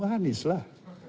tergantung anis lah